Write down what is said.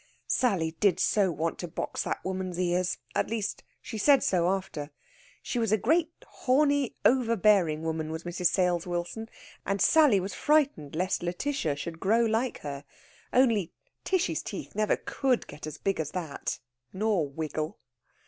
Sally did so want to box that woman's ears at least, she said so after. She was a great horny, overbearing woman, was Mrs. Sales Wilson, and Sally was frightened lest Lætitia should grow like her. Only, Tishy's teeth never could get as big as that! Nor wiggle.